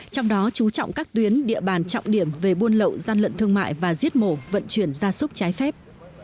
trong đó chú trọng các tuyến địa bàn trọng điểm về buôn lậu gian lận thương mại và giết mổ vận chuyển gia súc trái phép